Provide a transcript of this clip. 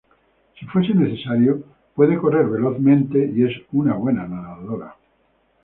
Si fuese necesario, puede correr velozmente, y es una buena nadadora.